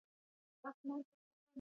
افغانستان د کندهار له پلوه متنوع دی.